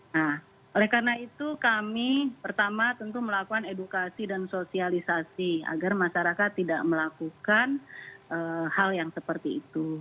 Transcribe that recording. nah oleh karena itu kami pertama tentu melakukan edukasi dan sosialisasi agar masyarakat tidak melakukan hal yang seperti itu